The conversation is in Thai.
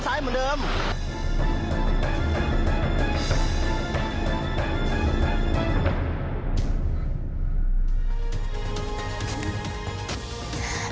ตัวปริงแกบล้อยางล้อยาง